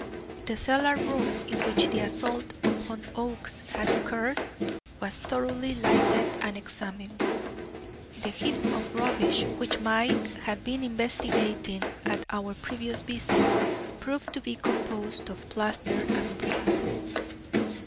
The cellar room in which the assault upon Oakes had occurred was thoroughly lighted and examined. The heap of rubbish which Mike had been investigating at our previous visit proved to be composed of plaster and bricks.